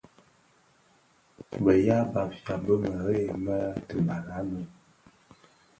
Bë ya Bafia bi mëree më dhibal a Noun.